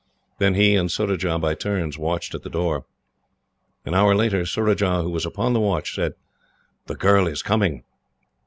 Then he and Surajah, by turns, watched at the door. An hour later Surajah, who was upon the watch, said: "The girl is coming."